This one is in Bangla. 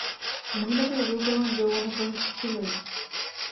মহিলাটির রূপ এবং যৌবনের প্রভাব তো ছিলই।